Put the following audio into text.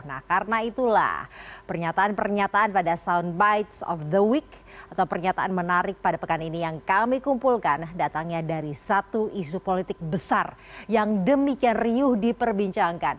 nah karena itulah pernyataan pernyataan pada soundbites of the week atau pernyataan menarik pada pekan ini yang kami kumpulkan datangnya dari satu isu politik besar yang demikian riuh diperbincangkan